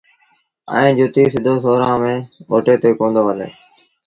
ائيٚݩ جُتيٚ سُڌو سُورآݩ ري اوٽي تي ڪونديٚ هلي